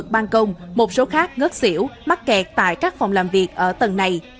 ban công một số khác ngất xỉu mắc kẹt tại các phòng làm việc ở tầng này